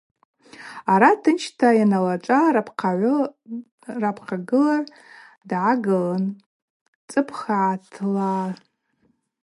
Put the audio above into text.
Арат тынчта йаналачӏва рапхъагылагӏв дгӏагылын: – Цыпх ахӏатлащтӏыхра йасквшын йцатӏ, ужвы йызсквшу абакӏрапӏ.